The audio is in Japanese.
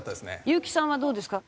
優木さんはどうですか？